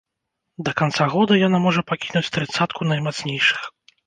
Да канца года яна можа пакінуць трыццатку наймацнейшых.